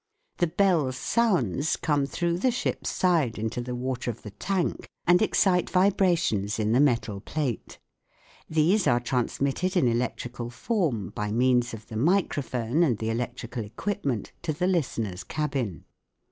The bell's sounds come through the ship's side into the water of the tank and excite vibrations in the metal plate ; these are transmitted in electrical form by means of the microphone and the electrical equipment to the listener's cabin.